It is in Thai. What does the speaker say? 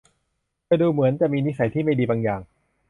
เธอดูเหมือนจะมีนิสัยที่ไม่ดีบางอย่าง